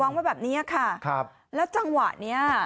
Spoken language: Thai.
วางไว้แบบนี้ค่ะแล้วจังหวะนี้